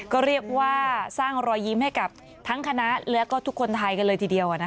ก็เรียกว่าสร้างรอยยิ้มให้กับทั้งคณะและก็ทุกคนไทยกันเลยทีเดียว